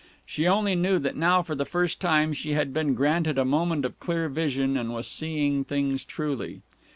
She only knew that now for the first time she had been granted a moment of clear vision and was seeing things truly.